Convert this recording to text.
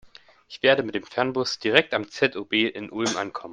Ich werde mit dem Fernbus direkt am ZOB in Ulm ankommen.